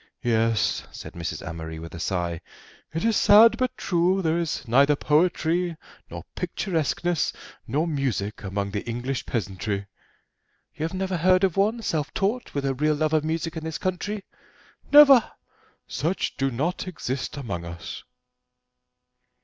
"Yes," said Mrs. Amory with a sigh; "it is sad, but true: there is neither poetry, nor picturesqueness, nor music among the English peasantry." "You have never heard of one, self taught, with a real love of music in this country?" "Never: such do not exist among us."